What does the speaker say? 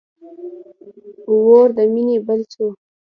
اور د مینی بل سو